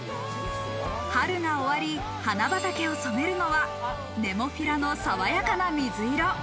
春が終わり、花畑を染めるのはネモフィラのさわやかな水色。